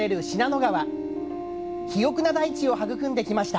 肥沃な大地を育んできました。